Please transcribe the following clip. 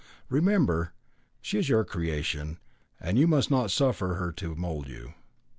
Remember, she is your creation, and you must not suffer her to mould you."